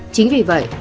chính vì vậy